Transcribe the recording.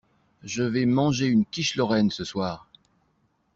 Je vais manger une quiche lorraine ce soir.